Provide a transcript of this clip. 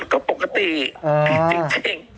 ก็ปกติจริง